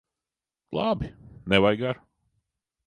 Labi! Nevajag ar'.